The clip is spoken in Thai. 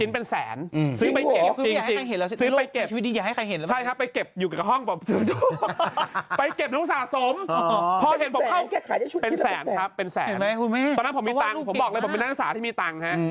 เป็นแสนครับเป็นแสนตอนนั้นผมมีตังค์ผมบอกเลยผมเป็นนักศึกษาที่มีตังค์